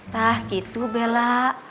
tah gitu bela